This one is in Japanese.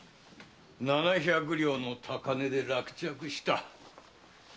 七百両の高値で落着した。